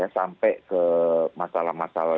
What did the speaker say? sampai ke masalah masalah